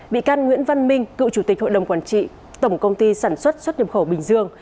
bị can nguyễn văn minh cựu chủ tịch hội đồng quản trị tổng công ty sản xuất xuất nhập khẩu bình dương